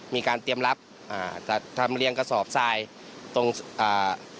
มีการเตรียมรับอ่าจะทำเรียงกระสอบทรายตรงอ่า